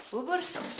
berburuk sama kamu